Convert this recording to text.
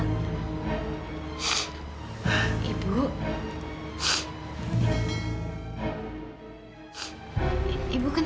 atas seg lapangan kemungkinan berikut ini